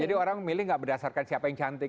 jadi orang milih gak berdasarkan siapa yang cantik